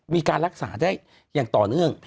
มีการรักษาได้อย่างต่อเนื่อง